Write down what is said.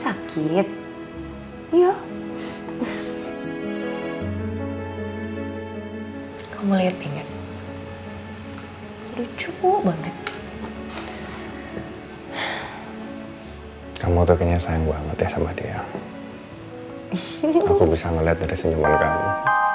aku bisa melihat dari senyuman kamu